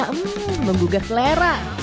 hmm membuka selera